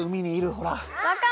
ほら。